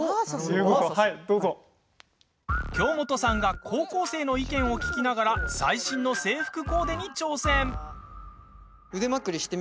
京本さんが高校生の意見を聞きながら最新の制服コーデに挑戦。